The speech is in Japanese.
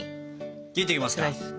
切っていきますか。